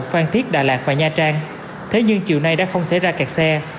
phan thiết đà lạt và nha trang thế nhưng chiều nay đã không xảy ra kẹt xe